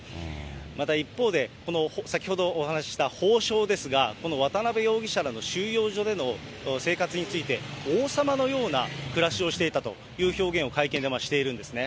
また一方で、先ほどお話しした法相ですが、この渡辺容疑者らの収容所での生活について、王様のような暮らしをしていたという表現を、会見でしているんですね。